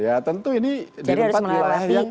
ya tentu ini jadi harus melalui